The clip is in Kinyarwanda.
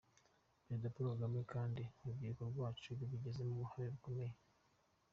Perezida Paul Kagame kandi urubyiruko rwacu rwabigizemo uruhare rukomeye”.